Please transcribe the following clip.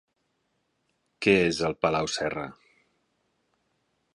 Què és el Palau Serra?